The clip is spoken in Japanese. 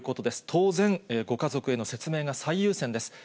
当然、ご家族への説明が最優先です。